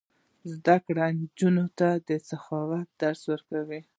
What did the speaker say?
زده کړه نجونو ته د سخاوت درس ورکوي.